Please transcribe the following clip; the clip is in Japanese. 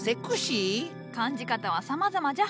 感じ方はさまざまじゃ。